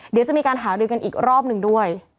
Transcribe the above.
เดี๋ยวจะมีการหารือกันอีกรอบหนึ่งด้วย